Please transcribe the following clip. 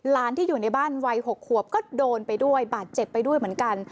ที่อยู่ในบ้านวัย๖ขวบก็โดนไปด้วยบาดเจ็บไปด้วยเหมือนกัน